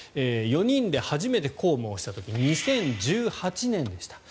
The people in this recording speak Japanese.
４人で初めて公務をした時２０１８年でした。